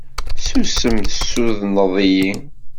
Susem tessudneḍ-iyi.